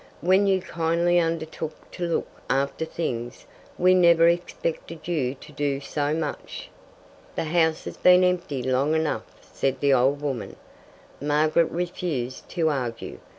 When you kindly undertook to look after things, we never expected you to do so much." "The house has been empty long enough," said the old woman. Margaret refused to argue.